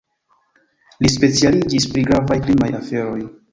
Li specialiĝis pri gravaj krimaj aferoj.